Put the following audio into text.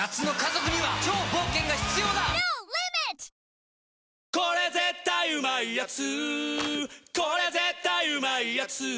続く「日清これ絶対うまいやつ」